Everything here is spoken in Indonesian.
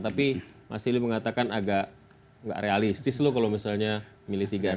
tapi mas sili mengatakan agak gak realistis loh kalau misalnya milih tiga